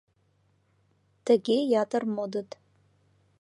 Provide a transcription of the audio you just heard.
Тыге ятыр модыт.